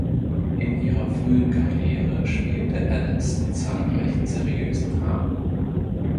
In ihrer frühen Karriere spielte Adams in zahlreichen seriösen Dramen.